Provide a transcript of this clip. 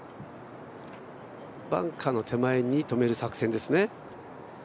バンカーの手前に止める作戦ですね。